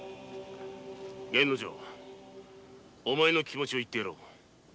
お前の気持ちを言ってやろう。